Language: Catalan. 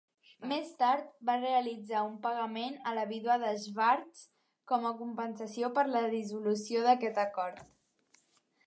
Més tard va realitzar un pagament a la vídua de Schwartz com a compensació per la dissolució d'aquest acord.